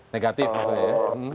negatif maksudnya ya